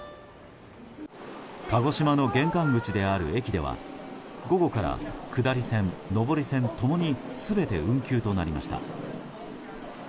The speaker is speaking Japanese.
鹿児島の玄関口である駅では午後から下り線、上り線ともに全て運休となりました。